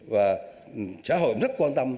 và xã hội rất quan tâm